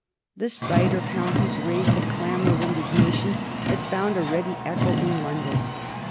The cider counties raised a clamor of indignation that found a ready echo in London.